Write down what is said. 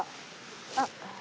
あっ！